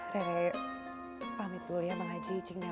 rere pamit dulu ya bang aji cinggalan